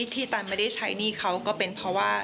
ตันไม่ได้ใช้หนี้เขาก็เป็นเพราะว่า